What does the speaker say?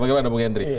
bagaimana pak hendri